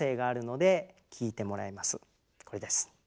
これです。